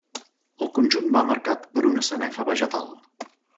El conjunt va marcat per una sanefa vegetal.